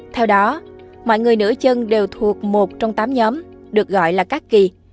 theo đó mọi người nửa chân đều thuộc một trong tám nhóm được gọi là các kỳ